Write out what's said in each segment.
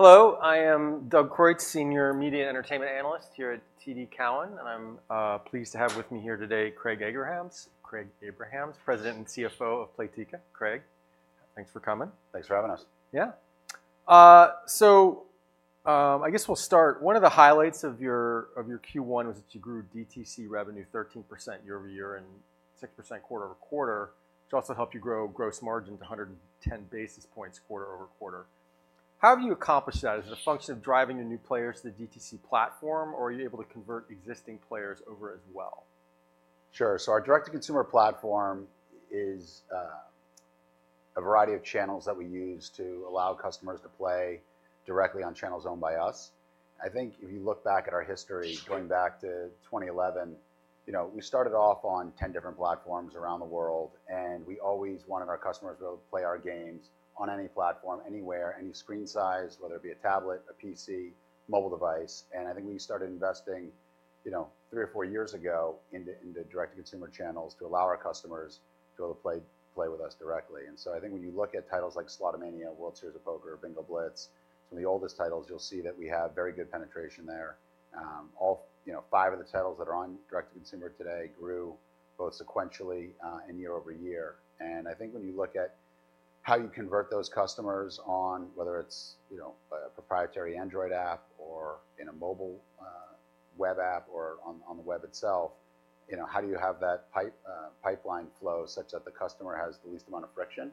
Hello, I am Doug Creutz, Senior Media Entertainment Analyst here at TD Cowen, and I'm pleased to have with me here today, Craig Abrahams, President and CFO of Playtika. Craig, thanks for coming. Thanks for having us. Yeah. So, I guess we'll start. One of the highlights of your, of your Q1 was that you grew DTC revenue 13% year-over-year and 6% quarter-over-quarter, which also helped you grow gross margin to 110 basis points quarter-over-quarter. How have you accomplished that? Is it a function of driving the new players to the DTC platform, or are you able to convert existing players over as well? Sure. So our direct-to-consumer platform is a variety of channels that we use to allow customers to play directly on channels owned by us. I think if you look back at our history, going back to 2011, you know, we started off on 10 different platforms around the world, and we always wanted our customers to be able to play our games on any platform, anywhere, any screen size, whether it be a tablet, a PC, mobile device. I think we started investing, you know, three or four years ago into direct-to-consumer channels to allow our customers to be able to play with us directly. So I think when you look at titles like Slotomania, World Series of Poker, Bingo Blitz, some of the oldest titles, you'll see that we have very good penetration there. All, you know, five of the titles that are on direct-to-consumer today grew both sequentially and year-over-year. And I think when you look at how you convert those customers on whether it's, you know, a proprietary Android app or in a mobile web app or on the web itself, you know, how do you have that pipeline flow such that the customer has the least amount of friction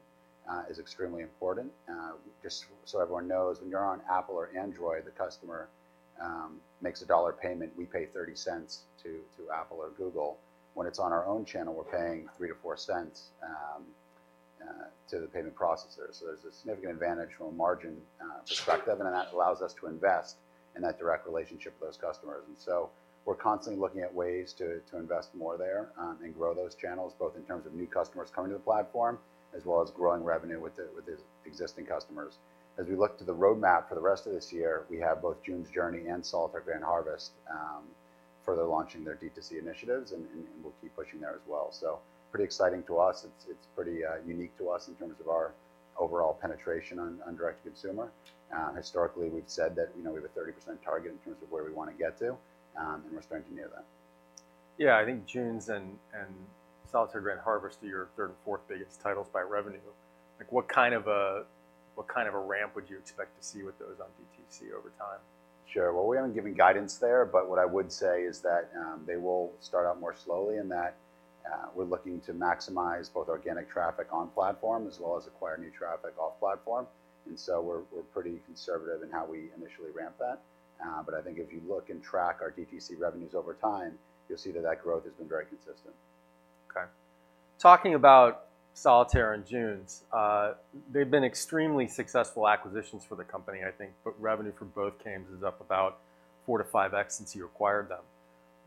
is extremely important. Just so everyone knows, when you're on Apple or Android, the customer makes a $1 payment, we pay $0.30 to Apple or Google. When it's on our own channel, we're paying $0.03-$0.04 to the payment processor. So there's a significant advantage from a margin perspective, and then that allows us to invest in that direct relationship with those customers. And so we're constantly looking at ways to invest more there, and grow those channels, both in terms of new customers coming to the platform, as well as growing revenue with the existing customers. As we look to the roadmap for the rest of this year, we have both June's Journey and Solitaire Grand Harvest further launching their D2C initiatives, and we'll keep pushing there as well. So pretty exciting to us. It's pretty unique to us in terms of our overall penetration on direct-to-consumer. Historically, we've said that, you know, we have a 30% target in terms of where we want to get to, and we're starting to near that. Yeah, I think June's and Solitaire Grand Harvest are your third and fourth biggest titles by revenue. Like, what kind of a ramp would you expect to see with those on DTC over time? Sure. Well, we haven't given guidance there, but what I would say is that they will start out more slowly and that we're looking to maximize both organic traffic on platform as well as acquire new traffic off platform. And so we're pretty conservative in how we initially ramp that. But I think if you look and track our DTC revenues over time, you'll see that that growth has been very consistent. Okay. Talking about Solitaire and June's, they've been extremely successful acquisitions for the company, I think, but revenue for both games is up about 4-5x since you acquired them.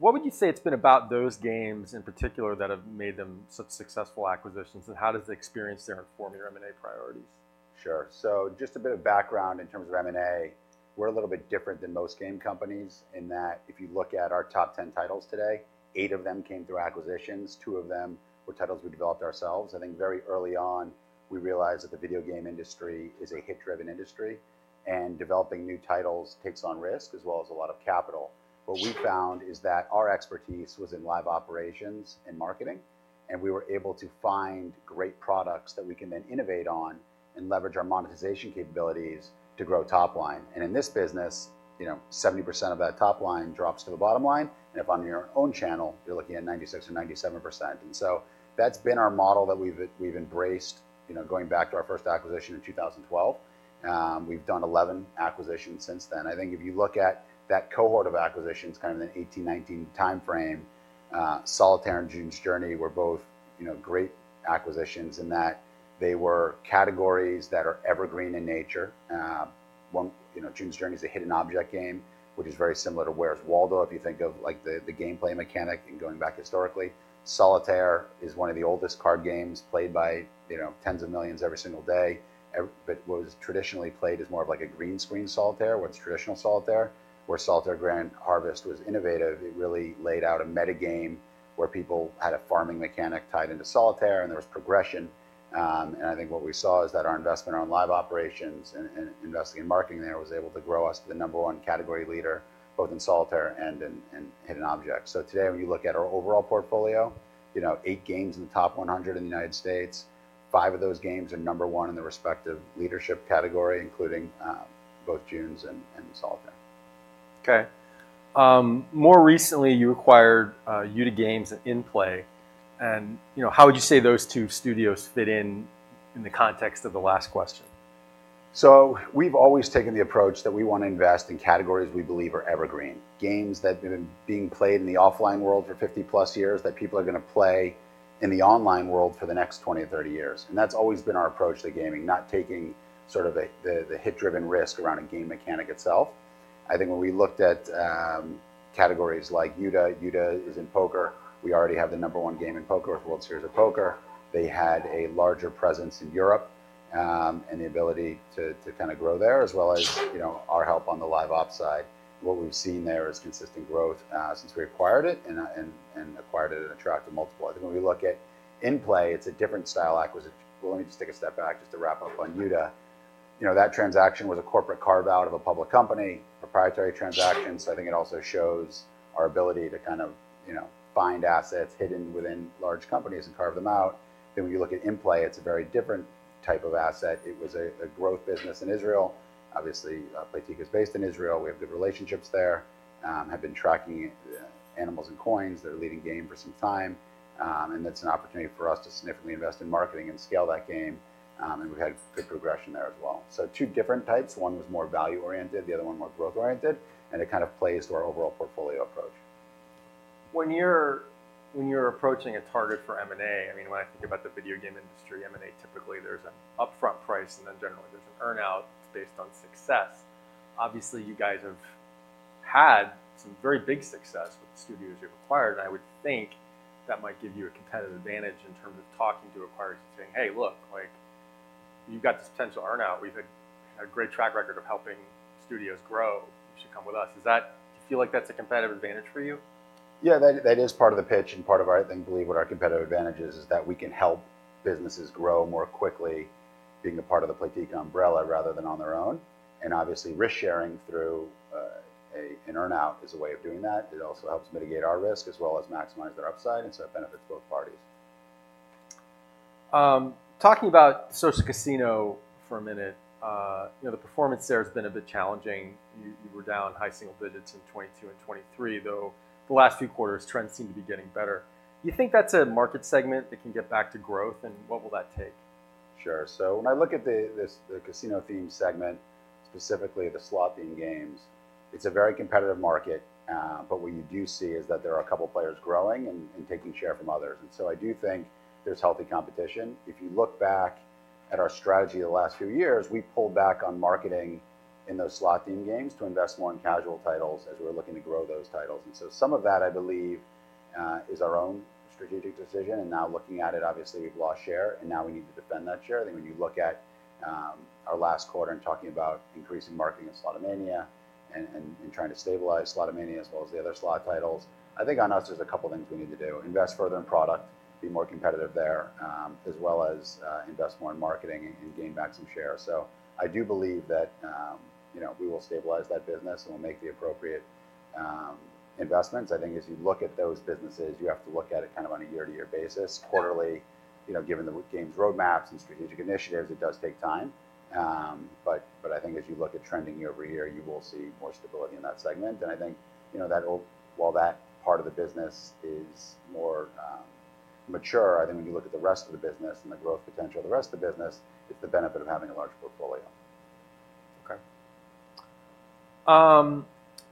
What would you say it's been about those games in particular that have made them such successful acquisitions, and how does the experience there inform your M&A priorities? Sure. So just a bit of background in terms of M&A, we're a little bit different than most game companies in that if you look at our top 10 titles today, eight of them came through acquisitions, two of them were titles we developed ourselves. I think very early on, we realized that the video game industry is a hit-driven industry, and developing new titles takes on risk as well as a lot of capital. What we found is that our expertise was in live operations and marketing, and we were able to find great products that we can then innovate on and leverage our monetization capabilities to grow top line. And in this business, you know, 70% of that top line drops to the bottom line, and if on your own channel, you're looking at 96%-97%. And so that's been our model that we've, we've embraced, you know, going back to our first acquisition in 2012. We've done 11 acquisitions since then. I think if you look at that cohort of acquisitions, kind of in the 2018-2019 timeframe, Solitaire and June's Journey were both, you know, great acquisitions in that they were categories that are evergreen in nature. One, You know, June's Journey is a hidden object game, which is very similar to Where's Waldo, if you think of, like, the, the gameplay mechanic and going back historically. Solitaire is one of the oldest card games played by, you know, tens of millions every single day. But what was traditionally played as more of, like, a green screen solitaire, what's traditional solitaire, where Solitaire Grand Harvest was innovative. It really laid out a meta-game where people had a farming mechanic tied into Solitaire, and there was progression. And I think what we saw is that our investment on live operations and investing in marketing there was able to grow us to the number one category leader, both in Solitaire and in hidden objects. So today, when you look at our overall portfolio, you know, eight games in the top 100 in the United States, five of those games are number one in the respective leadership category, including both June's and Solitaire. Okay. More recently, you acquired Youda Games and Innplay Labs, and, you know, how would you say those two studios fit in in the context of the last question? So we've always taken the approach that we want to invest in categories we believe are evergreen. Games that have been being played in the offline world for 50+ years, that people are gonna play in the online world for the next 20-30 years. And that's always been our approach to gaming, not taking sort of the hit-driven risk around a game mechanic itself. I think when we looked at categories like Youda, Youda is in poker. We already have the number one game in poker with World Series of Poker. They had a larger presence in Europe, and the ability to kind of grow there, as well as, you know, our help on the live ops side. What we've seen there is consistent growth since we acquired it and acquired it at an attractive multiple. I think when we look at Innplay, it's a different style acquisition. Well, let me just take a step back just to wrap up on Youda, you know, that transaction was a corporate carve-out of a public company, proprietary transaction. So I think it also shows our ability to kind of, you know, find assets hidden within large companies and carve them out. Then when you look at Innplay, it's a very different type of asset. It was a growth business in Israel. Obviously, Playtika is based in Israel. We have good relationships there, have been tracking Animals & Coins. Their leading game for some time. And it's an opportunity for us to significantly invest in marketing and scale that game. And we've had good progression there as well. So two different types. One was more value-oriented, the other one more growth-oriented, and it kind of plays to our overall portfolio approach. When you're approaching a target for M&A, I mean, when I think about the video game industry, M&A, typically there's an upfront price, and then generally there's an earn-out based on success. Obviously, you guys have had some very big success with the studios you've acquired, and I would think that might give you a competitive advantage in terms of talking to acquirers and saying, "Hey, look like you've got this potential earn-out. We've had a great track record of helping studios grow. You should come with us." Is that, do you feel like that's a competitive advantage for you? Yeah, that, that is part of the pitch and part of our... I think, believe what our competitive advantage is, is that we can help businesses grow more quickly, being a part of the Playtika umbrella, rather than on their own. And obviously, risk sharing through a, an earn-out is a way of doing that. It also helps mitigate our risk as well as maximize their upside, and so it benefits both parties. Talking about social casino for a minute, you know, the performance there has been a bit challenging. You, you were down high single digits in 2022 and 2023, though the last few quarters trends seem to be getting better. Do you think that's a market segment that can get back to growth, and what will that take? Sure. So when I look at this casino theme segment, specifically the slot theme games, it's a very competitive market, but what you do see is that there are a couple of players growing and taking share from others, and so I do think there's healthy competition. If you look back at our strategy the last few years, we pulled back on marketing in those slot theme games to invest more in casual titles as we're looking to grow those titles. So some of that, I believe, is our own strategic decision. Now looking at it, obviously, we've lost share, and now we need to defend that share. I think when you look at our last quarter and talking about increasing marketing in Slotomania and trying to stabilize Slotomania as well as the other slot titles, I think on us, there's a couple of things we need to do: invest further in product, be more competitive there, as well as invest more in marketing and gain back some share. So I do believe that, you know, we will stabilize that business and we'll make the appropriate investments. I think as you look at those businesses, you have to look at it kind of on a year-to-year basis. Quarterly, you know, given the games roadmaps and strategic initiatives, it does take time. But I think as you look at trending year-over-year, you will see more stability in that segment. I think, you know, that will, while that part of the business is more mature, I think when you look at the rest of the business and the growth potential of the rest of the business, it's the benefit of having a large portfolio. Okay.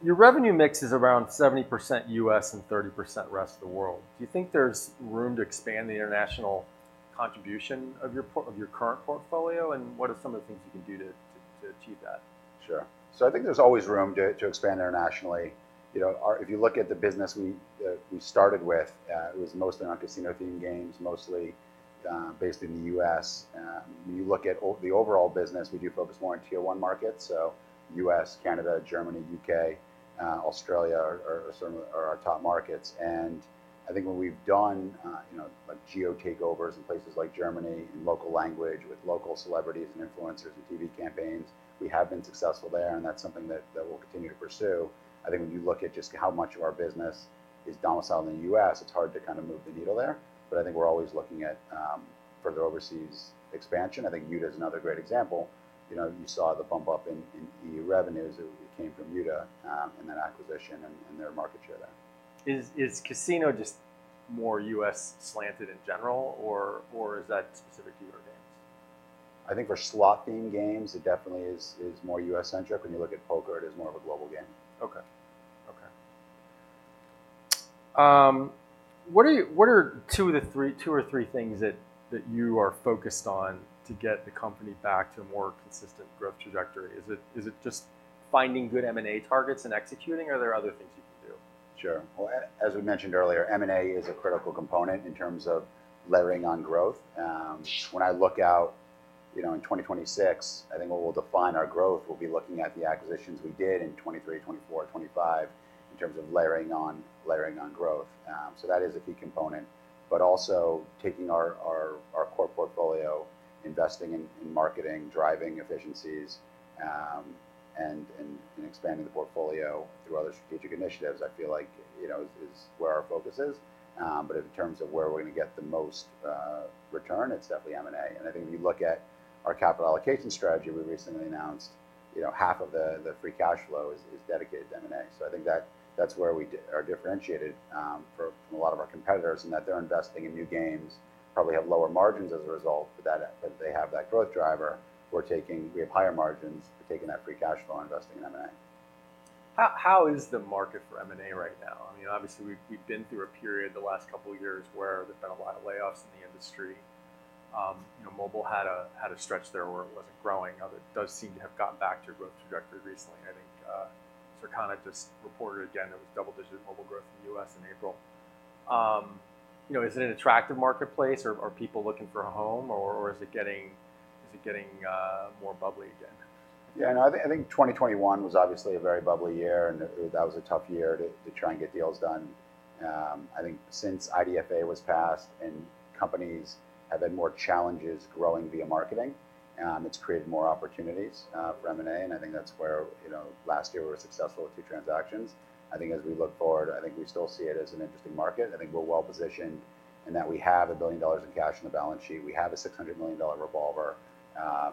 Your revenue mix is around 70% U.S. and 30% rest of the world. Do you think there's room to expand the international contribution of your portfolio, and what are some of the things you can do to achieve that? Sure. So I think there's always room to expand internationally. You know, if you look at the business we started with, it was mostly on casino theme games, mostly based in the U.S. When you look at the overall business, we do focus more on Tier One markets. So U.S., Canada, Germany, U.K., Australia are some of our top markets. And I think what we've done, you know, like geo takeovers in places like Germany, in local language, with local celebrities and influencers and TV campaigns, we have been successful there, and that's something that we'll continue to pursue. I think when you look at just how much of our business is domiciled in the U.S., it's hard to kind of move the needle there. But I think we're always looking at further overseas expansion. I think Youda is another great example. You know, you saw the bump up in E.U. revenues, it came from Youda, and then acquisition and their market share there. Is casino just more U.S. slanted in general, or is that specific to your games? I think for slot-themed games, it definitely is more U.S.-centric. When you look at poker, it is more of a global game. Okay. Okay. What are two of the three, two or three things that you are focused on to get the company back to a more consistent growth trajectory? Is it just finding good M&A targets and executing, or are there other things you can do? Sure. Well, as we mentioned earlier, M&A is a critical component in terms of layering on growth. When I look out, you know, in 2026, I think what will define our growth will be looking at the acquisitions we did in 2023, 2024, 2025, in terms of layering on, layering on growth. So that is a key component, but also taking our core portfolio, investing in marketing, driving efficiencies, and expanding the portfolio through other strategic initiatives. I feel like, you know, is where our focus is. But in terms of where we're going to get the most return, it's definitely M&A. And I think if you look at our capital allocation strategy, we recently announced, you know, half of the free cash flow is dedicated to M&A. So I think that, that's where we are differentiated from a lot of our competitors, in that they're investing in new games, probably have lower margins as a result, but that, but they have that growth driver. We're taking, We have higher margins. We're taking that free cash flow and investing in M&A. How is the market for M&A right now? I mean, obviously, we've been through a period the last couple of years where there's been a lot of layoffs in the industry. You know, mobile had a stretch there where it wasn't growing. Now, it does seem to have gotten back to a growth trajectory recently. I think, Circana just reported again, there was double-digit mobile growth in the U.S. in April. You know, is it an attractive marketplace, or are people looking for a home, or is it getting more bubbly again? Yeah, no, I think, I think 2021 was obviously a very bubbly year, and that was a tough year to, to try and get deals done. I think since IDFA was passed and companies have had more challenges growing via marketing, it's created more opportunities for M&A, and I think that's where, you know, last year we were successful with two transactions. I think as we look forward, I think we still see it as an interesting market. I think we're well-positioned, in that we have $1 billion in cash on the balance sheet. We have a $600 million revolver.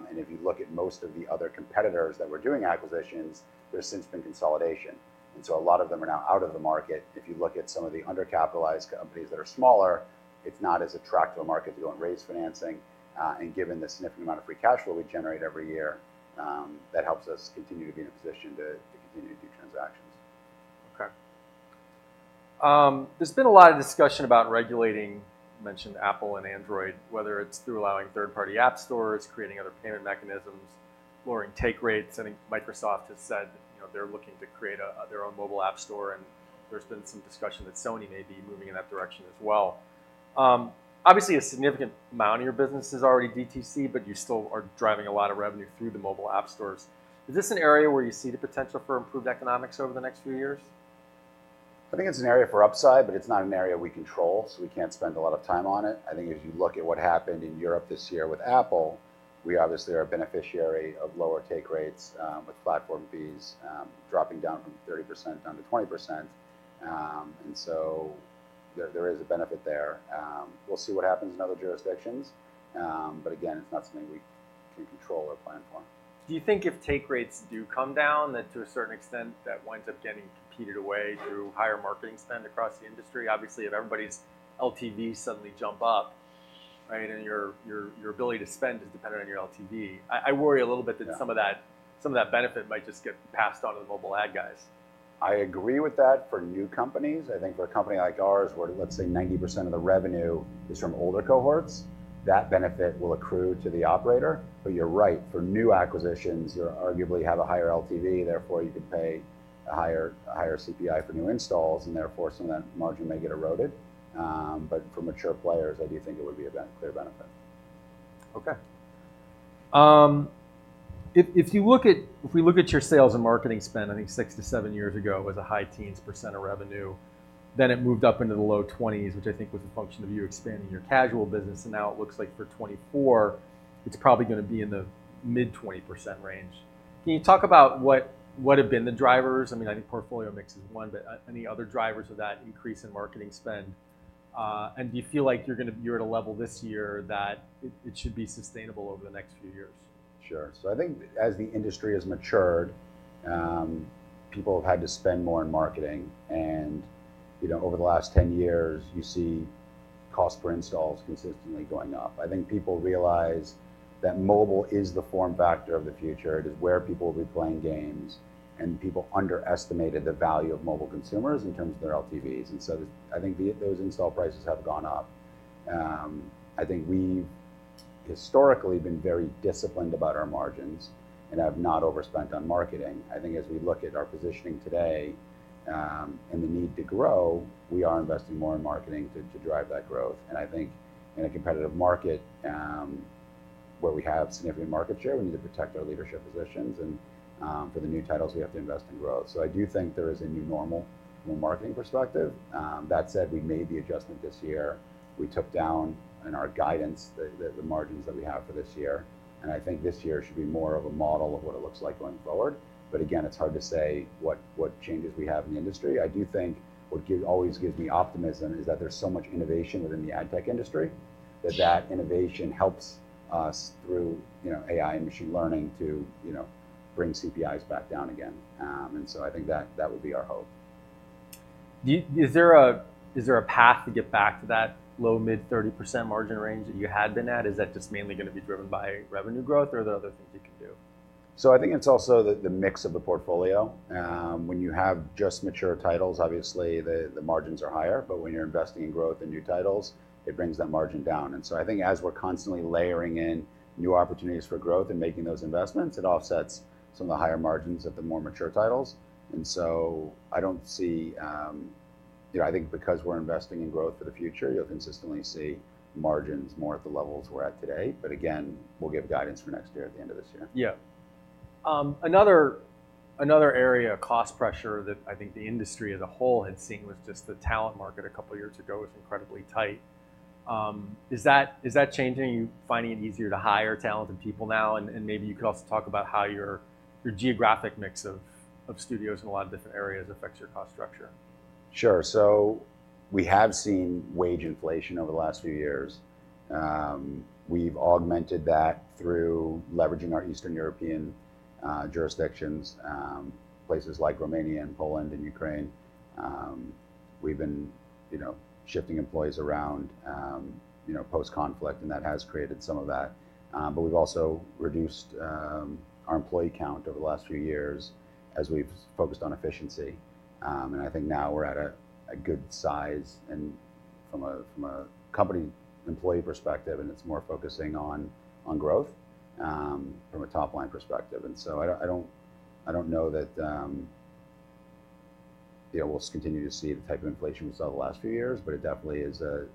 And if you look at most of the other competitors that were doing acquisitions, there's since been consolidation, and so a lot of them are now out of the market. If you look at some of the undercapitalized companies that are smaller, it's not as attractive a market if you go and raise financing. And given the significant amount of free cash flow we generate every year, that helps us continue to be in a position to continue to do transactions. Okay. There's been a lot of discussion about regulating, you mentioned Apple and Android, whether it's through allowing third-party app stores, creating other payment mechanisms, lowering take rates. I think Microsoft has said, you know, they're looking to create a, their own mobile app store, and there's been some discussion that Sony may be moving in that direction as well. Obviously, a significant amount of your business is already DTC, but you still are driving a lot of revenue through the mobile app stores. Is this an area where you see the potential for improved economics over the next few years? I think it's an area for upside, but it's not an area we control, so we can't spend a lot of time on it. I think if you look at what happened in Europe this year with Apple, we obviously are a beneficiary of lower take rates, with platform fees, dropping down from 30% down to 20%. And so there is a benefit there. We'll see what happens in other jurisdictions, but again, it's not something we can control or plan for. Do you think if take rates do come down, that to a certain extent, that winds up getting competed away through higher marketing spend across the industry? Obviously, if everybody's LTV suddenly jump up, right, and your, your, your ability to spend is dependent on your LTV. I, I worry a little bit- Yeah... that some of that, some of that benefit might just get passed on to the mobile ad guys. I agree with that for new companies. I think for a company like ours, where, let's say, 90% of the revenue is from older cohorts, that benefit will accrue to the operator. But you're right, for new acquisitions, you arguably have a higher LTV, therefore, you could pay a higher, a higher CPI for new installs, and therefore, some of that margin may get eroded. But for mature players, I do think it would be a clear benefit. Okay. If we look at your sales and marketing spend, I think six-seven years ago, it was a high teens % of revenue. Then it moved up into the low 20s, which I think was a function of you expanding your casual business, and now it looks like for 2024, it's probably gonna be in the mid-20% range. Can you talk about what have been the drivers? I mean, I think portfolio mix is one, but any other drivers of that increase in marketing spend, and do you feel like you're gonna be at a level this year that it should be sustainable over the next few years? Sure. So I think as the industry has matured, people have had to spend more on marketing and, you know, over the last 10 years, you see cost per installs consistently going up. I think people realize that mobile is the form factor of the future. It is where people will be playing games, and people underestimated the value of mobile consumers in terms of their LTVs, and so I think those install prices have gone up. I think we've historically been very disciplined about our margins and have not overspent on marketing. I think as we look at our positioning today, and the need to grow, we are investing more in marketing to drive that growth. I think in a competitive market, where we have significant market share, we need to protect our leadership positions and, for the new titles, we have to invest in growth. So I do think there is a new normal from a marketing perspective. That said, we made the adjustment this year. We took down in our guidance the margins that we have for this year, and I think this year should be more of a model of what it looks like going forward. But again, it's hard to say what changes we have in the industry. I do think what always gives me optimism is that there's so much innovation within the ad tech industry, that that innovation helps us through, you know, AI and machine learning to, you know, bring CPIs back down again. And so I think that, that would be our hope. Is there a path to get back to that low to mid 30% margin range that you had been at? Is that just mainly gonna be driven by revenue growth or are there other things you can do? So I think it's also the mix of the portfolio. When you have just mature titles, obviously, the margins are higher, but when you're investing in growth and new titles, it brings that margin down. And so I think as we're constantly layering in new opportunities for growth and making those investments, it offsets some of the higher margins of the more mature titles. And so I don't see, you know, I think because we're investing in growth for the future, you'll consistently see margins more at the levels we're at today. But again, we'll give guidance for next year at the end of this year. Yeah. Another area of cost pressure that I think the industry as a whole had seen was just the talent market a couple of years ago was incredibly tight. Is that changing? Are you finding it easier to hire talented people now? And maybe you could also talk about how your geographic mix of studios in a lot of different areas affects your cost structure. Sure. So we have seen wage inflation over the last few years. We've augmented that through leveraging our Eastern European jurisdictions, places like Romania and Poland and Ukraine. We've been, you know, shifting employees around, you know, post-conflict, and that has created some of that. But we've also reduced our employee count over the last few years as we've focused on efficiency. And I think now we're at a good size and from a company employee perspective, and it's more focusing on growth from a top-line perspective. And so I don't know that. Yeah, we'll continue to see the type of inflation we saw the last few years, but it definitely is an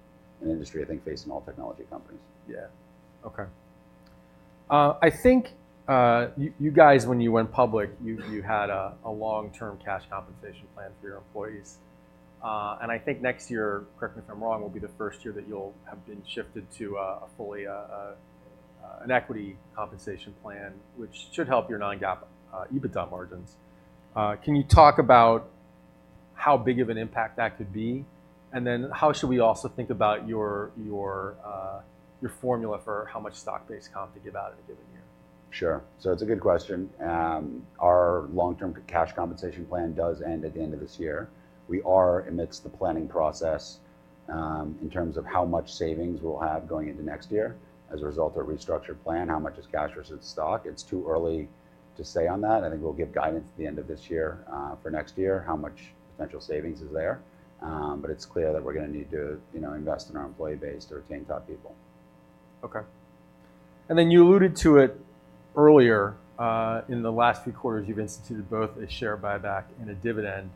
industry, I think, facing all technology companies. Yeah. Okay. I think you guys, when you went public, you had a long-term cash compensation plan for your employees. And I think next year, correct me if I'm wrong, will be the first year that you'll have been shifted to a fully equity compensation plan, which should help your non-GAAP EBITDA margins. Can you talk about how big of an impact that could be? And then, how should we also think about your formula for how much stock-based comp to give out in a given year? Sure. So it's a good question. Our long-term cash compensation plan does end at the end of this year. We are amidst the planning process, in terms of how much savings we'll have going into next year as a result of our restructured plan, how much is cash versus stock. It's too early to say on that. I think we'll give guidance at the end of this year, for next year, how much potential savings is there. But it's clear that we're going to need to, you know, invest in our employee base to retain top people. Okay. And then, you alluded to it earlier, in the last few quarters, you've instituted both a share buyback and a dividend.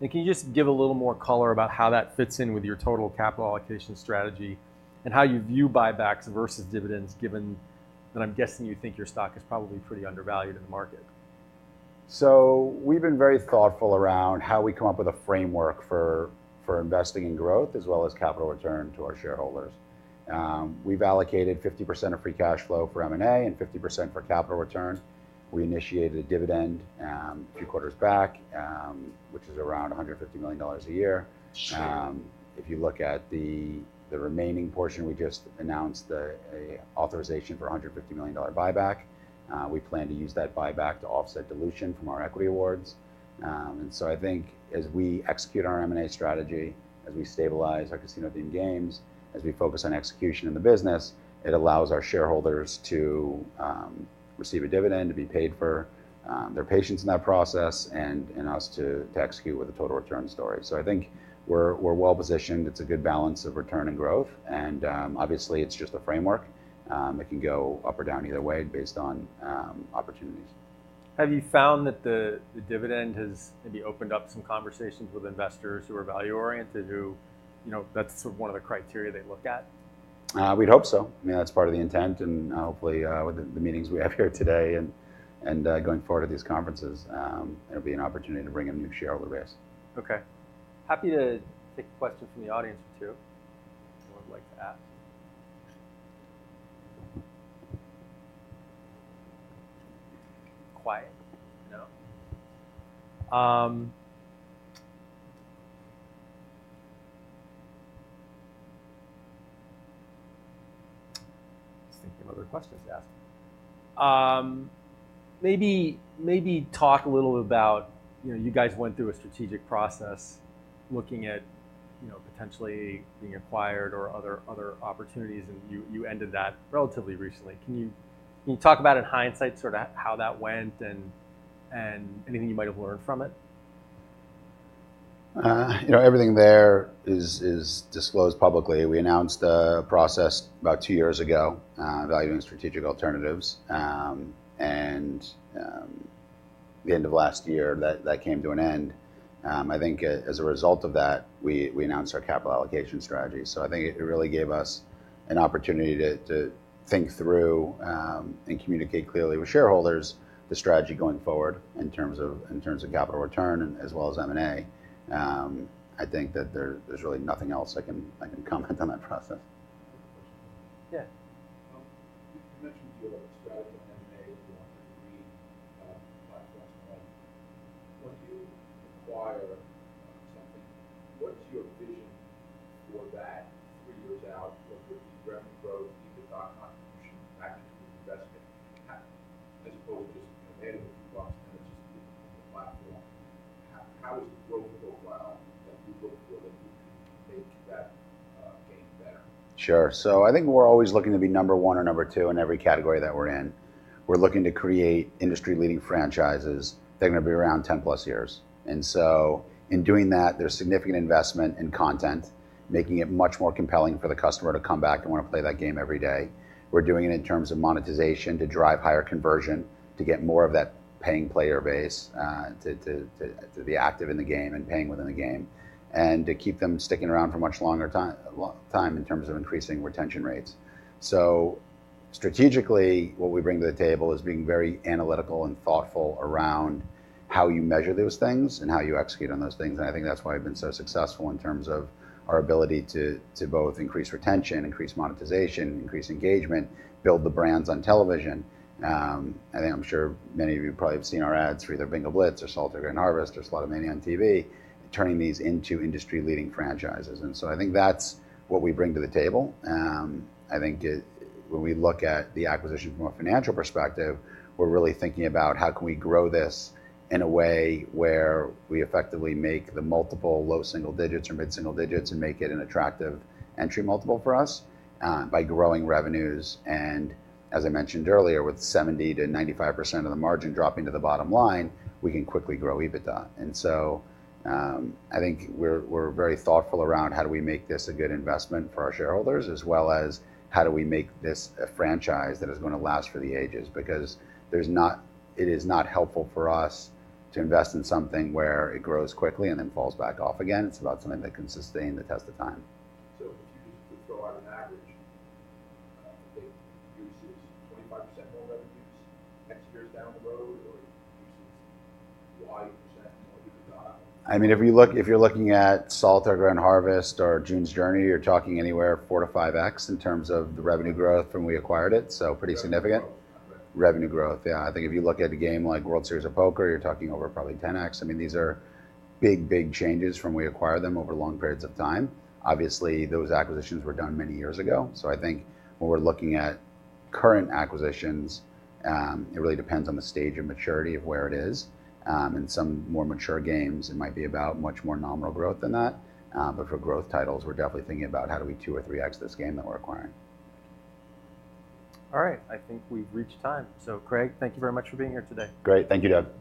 And can you just give a little more color about how that fits in with your total capital allocation strategy and how you view buybacks versus dividends, given that I'm guessing you think your stock is probably pretty undervalued in the market? So we've been very thoughtful around how we come up with a framework for investing in growth as well as capital return to our shareholders. We've allocated 50% of free cash flow for M&A and 50% for capital returns. We initiated a dividend a few quarters back, which is around $150 million a year. Sure. If you look at the remaining portion, we just announced an authorization for a $150 million buyback. We plan to use that buyback to offset dilution from our equity awards. And so I think as we execute our M&A strategy, as we stabilize our casino theme games, as we focus on execution in the business, it allows our shareholders to receive a dividend, to be paid for their patience in that process, and us to execute with the total return story. So I think we're well-positioned. It's a good balance of return and growth, and obviously, it's just a framework. It can go up or down either way, based on opportunities. Have you found that the dividend has maybe opened up some conversations with investors who are value-oriented, who, you know, that's one of the criteria they look at? We'd hope so. I mean, that's part of the intent, and hopefully, with the meetings we have here today and going forward at these conferences, it'll be an opportunity to bring in new shareholder base. Okay. Happy to take a question from the audience, too. Anyone who'd like to ask? Quiet. No. Just thinking of other questions to ask. Maybe, maybe talk a little bit about, you know, you guys went through a strategic process looking at, you know, potentially being acquired or other, other opportunities, and you, you ended that relatively recently. Can you, can you talk about, in hindsight, sort of how that went and, and anything you might have learned from it? You know, everything there is, is disclosed publicly. We announced a process about two years ago, evaluating strategic alternatives. And the end of last year, that came to an end. I think as a result of that, we announced our capital allocation strategy. So I think it really gave us an opportunity to think through and communicate clearly with shareholders the strategy going forward in terms of capital return, as well as M&A. I think that there's really nothing else I can comment on that process. Yeah. You mentioned your strategy with M&A, wanting to read last month. When you acquire something, what's your vision for that three years out for revenue growth, EBITDA contribution, actually investment, as opposed to just adding a few bucks to just the platform? How does the growth go well, that you look for that make that game better? Sure. So I think we're always looking to be number one or number two in every category that we're in. We're looking to create industry-leading franchises. They're going to be around 10+ years. And so in doing that, there's significant investment in content, making it much more compelling for the customer to come back and want to play that game every day. We're doing it in terms of monetization, to drive higher conversion, to get more of that paying player base, to be active in the game and paying within the game, and to keep them sticking around for a much longer time in terms of increasing retention rates. So strategically, what we bring to the table is being very analytical and thoughtful around how you measure those things and how you execute on those things. And I think that's why we've been so successful in terms of our ability to, to both increase retention, increase monetization, increase engagement, build the brands on television. And I'm sure many of you probably have seen our ads for either Bingo Blitz or Solitaire Grand Harvest or Slotomania on TV, turning these into industry-leading franchises. And so I think that's what we bring to the table. When we look at the acquisition from a financial perspective, we're really thinking about how can we grow this in a way where we effectively make the multiple low single digits or mid-single digits and make it an attractive entry multiple for us, by growing revenues, and as I mentioned earlier, with 70%-95% of the margin dropping to the bottom line, we can quickly grow EBITDA. I think we're very thoughtful around how we make this a good investment for our shareholders, as well as how we make this a good franchise that is going to last for the ages, because it is not helpful for us to invest in something where it grows quickly and then falls back off again. It's about something that can sustain the test of time. So if you just throw out an average, it produces 25% more revenues X years down the road, or Y% more EBITDA? I mean, if you're looking at Solitaire Grand Harvest or June's Journey, you're talking anywhere 4-5x in terms of the revenue growth when we acquired it, so pretty significant. Revenue growth, yeah. I think if you look at a game like World Series of Poker, you're talking over probably 10x. I mean, these are big, big changes from we acquire them over long periods of time. Obviously, those acquisitions were done many years ago. So I think when we're looking at current acquisitions, it really depends on the stage of maturity of where it is. In some more mature games, it might be about much more nominal growth than that. But for growth titles, we're definitely thinking about how do we 2-3x this game that we're acquiring. All right, I think we've reached time. Craig, thank you very much for being here today. Great. Thank you, Doug.